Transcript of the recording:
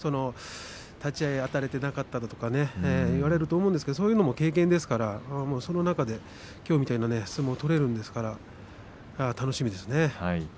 立ち合いあたれていなかったとか言われると思うんですけれどもそういうのも経験ですからその中で、きょうみたいな相撲が取れるんですから楽しみですね。